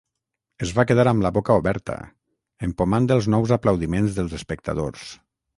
Es va quedar amb la boca oberta, empomant els nous aplaudiments dels espectadors.